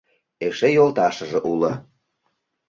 Эше йолташыже уло.